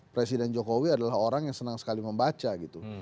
presiden jokowi adalah orang yang senang sekali membaca gitu